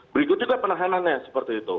berikut juga penahanannya seperti itu